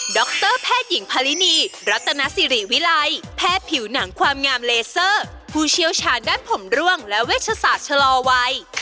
รแพทย์หญิงพาลินีรัตนสิริวิลัยแพทย์ผิวหนังความงามเลเซอร์ผู้เชี่ยวชาญด้านผมร่วงและเวชศาสตร์ชะลอวัย